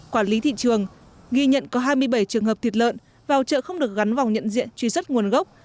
quản lý thị trường ghi nhận có hai mươi bảy trường hợp thịt lợn vào chợ không được gắn vòng nhận diện truy xuất nguồn gốc